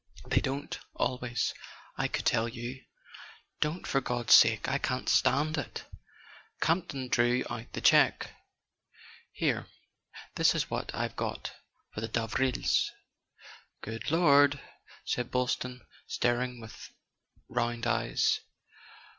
"They don't—always. I could tell you " "Don't, for God's sake; I can't stand it." Campton drew out the cheque. "Here: this is what I've got for the Davrils." "Good Lord!" said Boylston, staring with round eyes.